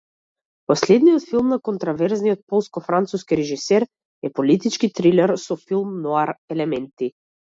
Последниот филм на контроверзниот полско-француски режисер е политички трилер со филм ноар елементи.